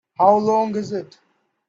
How long is it?